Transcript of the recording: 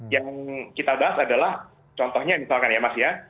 yang kita bahas adalah contohnya misalkan ya mas ya